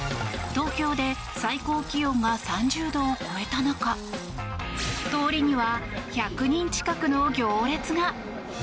東京で最高気温が３０度を超えた中通りには１００人近くの行列が。